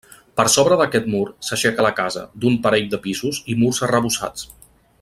Per sobre d'aquest mur s'aixeca la casa, d'un parell de pisos i murs arrebossats.